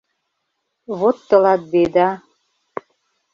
Вот тылат «Беда»!